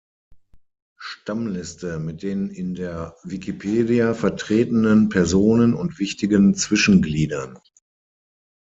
Stammliste mit den in der Wikipedia vertretenen Personen und wichtigen Zwischengliedern.